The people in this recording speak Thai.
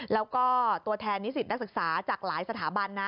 แล้วก็ตัวแทนนิสิตนักศึกษาจากหลายสถาบันนะ